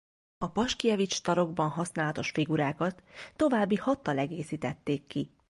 A Paskievics-tarokkban használatos figurákat további hattal egészítették ki.